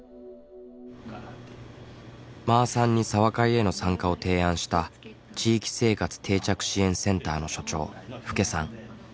まーさんに茶話会への参加を提案した地域生活定着支援センターの所長福家さん。